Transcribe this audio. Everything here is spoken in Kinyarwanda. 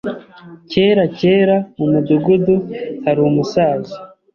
Kera, kera, mu mudugudu hari umusaza.